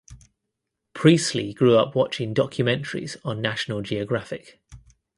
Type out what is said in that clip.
Priestley grew up watching documentaries on National Geographic.